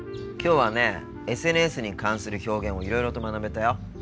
きょうはねＳＮＳに関する表現をいろいろと学べたよ。